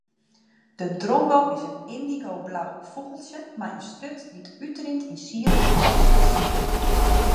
De drongo is in yndigoblau fûgeltsje mei in sturt dy't útrint yn sierlike kwastjes.